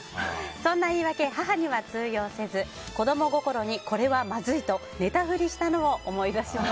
そんな言い訳、母には通用せず子供心に、これはまずいと寝たふりしたのを思い出します。